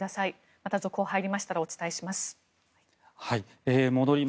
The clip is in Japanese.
また続報が入りましたらお伝えします。